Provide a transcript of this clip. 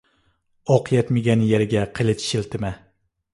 ئوق يەتمىگەن يەرگە قېلىچ شىلتىمە.